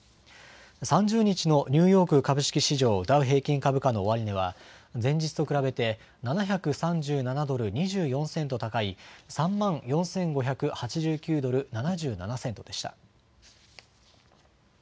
３０日のニューヨーク株式市場、ダウ平均株価の終値は前日と比べて７３７ドル２４セント高い３万４５８９ドル７７セントでした。